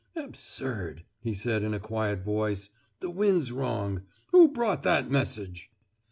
'Absurd,' he said in a quiet voice. 'The wind's wrong. Who brought that message?